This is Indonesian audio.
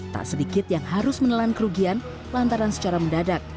tak sedikit yang harus menelan kerugian lantaran secara mendadak